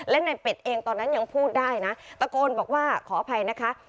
และในเป็ดเองตอนนั้นยังพูดได้นะตะโกนบอกว่าขออภัยนะคะ